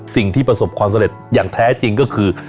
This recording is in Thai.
สิ่งที่ประสบความสำเร็จอย่างแท้จริงก็คือ